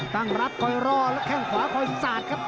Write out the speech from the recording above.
ตั้งรับคอยรอแล้วแข้งขวาคอยสาดครับ